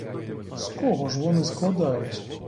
З кого ж вони складаються.